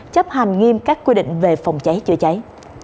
chấp hành nghiêm các quy định về phòng cháy chữa cháy